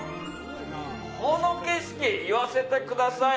この景色、言わせてください。